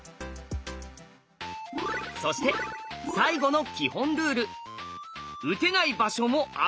そして最後の基本ルール